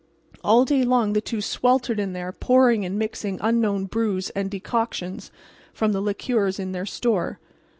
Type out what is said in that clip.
All day long the two sweltered in there pouring and mixing unknown brews and decoctions from the liquors in their store.